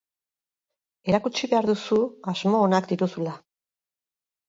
Erakutsi behar duzu asmo onak dituzula.